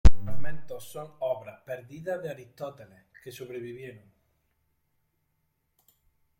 Los Fragmentos, son obras perdidas de Aristóteles que sobrevivieron.